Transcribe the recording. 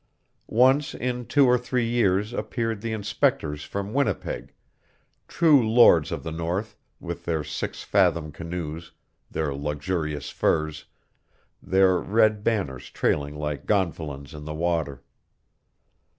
Once in two or three years appeared the inspectors from Winnipeg, true lords of the North, with their six fathom canoes, their luxurious furs, their red banners trailing like gonfalons in the water.